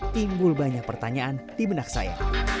timbul banyak pertanyaan di benak saya